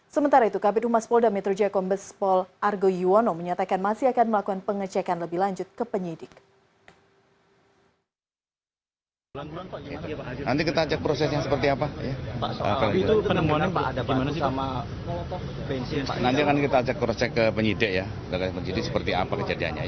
sementara itu kabupaten polda metro jakarta pemprov argo yuwono menyatakan masih akan melakukan pengecekan lebih lanjut ke penyidik